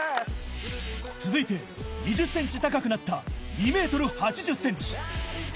・続いて２０ｃｍ高くなった２ｍ８０ｃｍ